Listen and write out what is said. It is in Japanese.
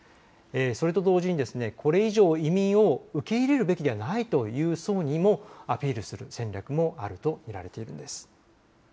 それと同時にこれ以上、移民を受け入れるべきではないという層にもアピールする戦略もあると見られているんです。